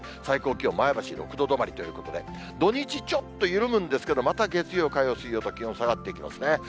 最高気温、前橋６度止まりということで、土日ちょっと緩むんですけれども、また月曜、火曜、水曜と気温下がっていきますね。